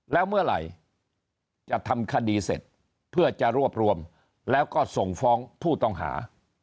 แล้วเมื่อไหร่จะทำคดีเสร็จเพื่อจะรวบรวมแล้วก็ส่งฟ้องผู้ต้องหา